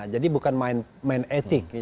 jadi bukan main etik